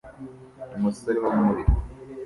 Umusore wo muri